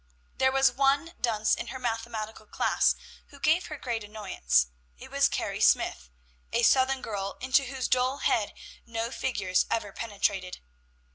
There was one dunce in her mathematical class who gave her great annoyance; it was Carrie Smyth, a Southern girl, into whose dull head no figures ever penetrated.